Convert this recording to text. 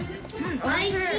おいしい！